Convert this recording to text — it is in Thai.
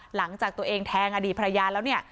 หลังจากตัวเองแทงอดีตภรรยาแล้วเนี่ย